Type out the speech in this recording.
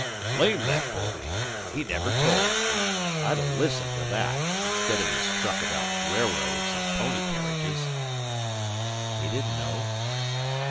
"Blame that boy! He never told. I'd ha' listened to that, instid o' his truck abaout railroads an' pony carriages." "He didn't know."